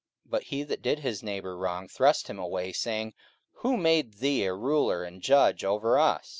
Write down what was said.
44:007:027 But he that did his neighbour wrong thrust him away, saying, Who made thee a ruler and a judge over us?